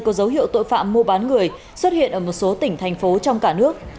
có dấu hiệu tội phạm mua bán người xuất hiện ở một số tỉnh thành phố trong cả nước